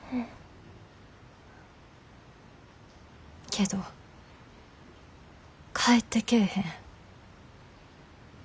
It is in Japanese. けど帰ってけえへん。